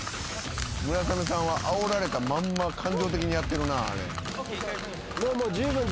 村雨さんはあおられたまんま感情的にやってるなあれ。